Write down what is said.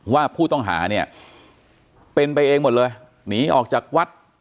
ว่าผู้ต้องหาเนี่ยเป็นไปเองหมดเลยหนีออกจากวัด